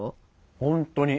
本当に。